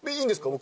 僕。